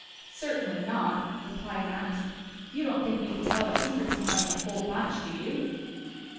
"Certainly not!" replied Max. "You don't think we could tell our secrets in front of the whole bunch, do you?"